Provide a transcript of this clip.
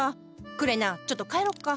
くれなちょっと帰ろっか。